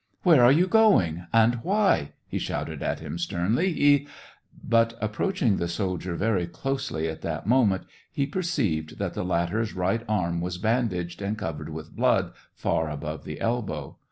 " Where are you going, and why }" he shouted at him sternly. "He ..." But, approaching the soldier very closely at that moment, he perceived that the latter's right arm was bandaged, and covered with blood far above the elbow.